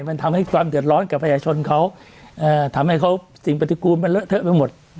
มันทำให้ความเดือดร้อนกับประชาชนเขาทำให้เขาสิ่งปฏิกูลมันเลอะเทอะไปหมด